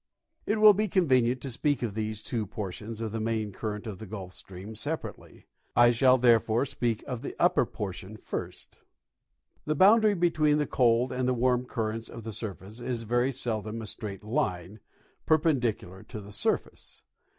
It will be convenient to speak of these two portions of the main current of the Gulf stream separately. I shall therefore speak of the upper portion first. /. Upper Portion. The boundary between the cold and the warm currents of the surface is ver}' seldom a straight line, perpendicular to the sur face.